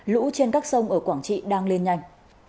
lũ trên các sông ở quảng trị đang lên nhanh